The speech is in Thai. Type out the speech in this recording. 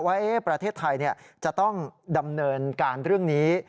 ว่าประเทศไทยจะต้องดำเนินการเรื่องนี้